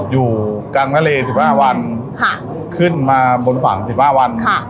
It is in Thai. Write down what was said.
อยู่กลางทะเลสิบห้าวันค่ะขึ้นมาบนฝั่งสิบห้าวันค่ะ